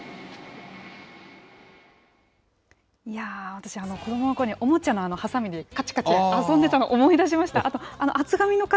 私、子どものころ、おもちゃのはさみでかちかち遊んでたの思い出しました。